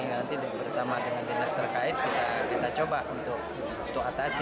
nanti bersama dengan dinas terkait kita coba untuk atasi